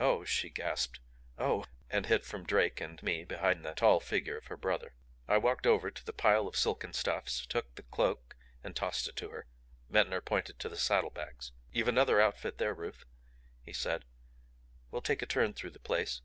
"Oh!" she gasped. "Oh!" And hid from Drake and me behind the tall figure of her brother. I walked over to the pile of silken stuffs, took the cloak and tossed it to her. Ventnor pointed to the saddlebags. "You've another outfit there, Ruth," he said. "We'll take a turn through the place.